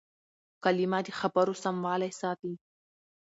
کلیمه د خبرو سموالی ساتي.